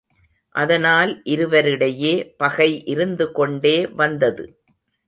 அதனால் இருவரிடையே பகை இருந்து கொண்டே வந்தது.